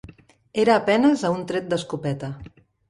Era a penes a un tret d'escopeta.